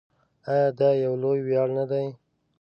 آیا دا یو لوی ویاړ نه دی؟